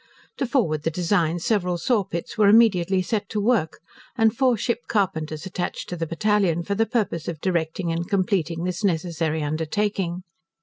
To forward the design, several saw pits were immediately set to work, and four ship carpenters attached to the battalion, for the purpose of directing and completing this necessary undertaking.